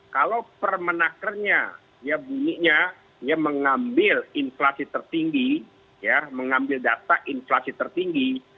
kalau permenakernya ya bunyinya mengambil inflasi tertinggi mengambil data inflasi tertinggi